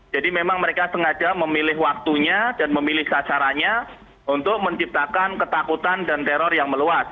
jadi memang mereka sengaja memilih waktunya dan memilih sasarannya untuk menciptakan ketakutan dan teror yang meluas